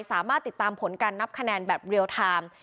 สามารถติดตามผลการนับคะแนนแบบเรียลไทม์